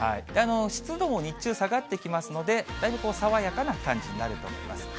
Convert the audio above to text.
湿度も日中、下がってきますので、だいぶ爽やかな感じになると思います。